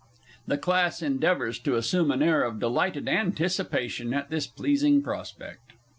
(_The Class endeavours to assume an air of delighted anticipation at this pleasing prospect.